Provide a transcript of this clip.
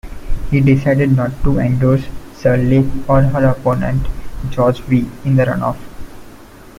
He decided not to endorse Sirleaf or her opponent, George Weah, in the runoff.